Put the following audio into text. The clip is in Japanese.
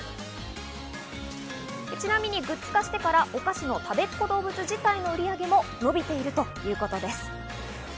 ちなみにグッズ化してからお菓子のたべっ子どうぶつ自体の売り上げも伸びているということです。